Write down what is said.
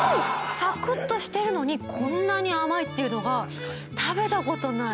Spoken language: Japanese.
サクッとしてるのにこんなに甘いっていうのが食べた事ない。